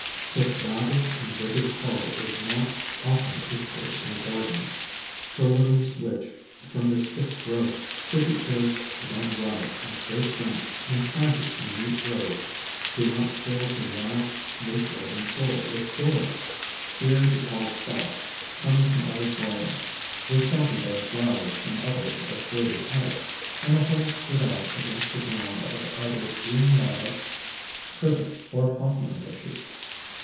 Such lavish and vivid color is not often equaled in a garden, for Lilies which, from their stiff growth, should be urged to run riot and break ranks, when planted in neat rows do not fill the wild na ture loving soul 86 ESCAPED FROM GARDENS with joy. Here the tall stalks, coming from old bulbs, were sheltered by the flowers from others of graded heights, and the whole stood out against a ground of either green Lilac, Privet or Hawthorn bushes.